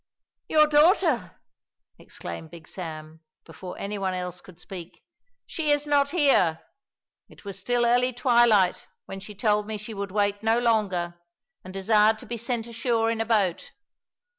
"Your daughter!" exclaimed Big Sam, before any one else could speak, "she is not here. It was still early twilight when she told me she would wait no longer, and desired to be sent ashore in a boat.